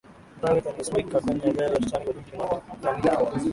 violet alinusurika kwenye ajali ya titanic olympic na britanica